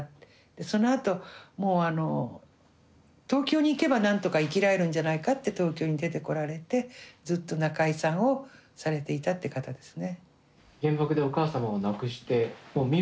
そのあともうあの東京に行けばなんとか生きられるんじゃないかって東京に出てこられてずっと仲居さんをされていたって方ですね。